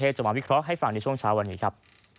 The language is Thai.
จะมาวิเคราะห์ให้ฟังในช่วงเช้าวันนี้ครับ